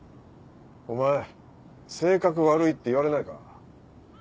お前性格悪いって言われないか？